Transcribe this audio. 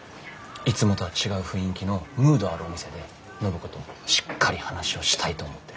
いつもとは違う雰囲気のムードあるお店で暢子としっかり話をしたいと思ってるわけ。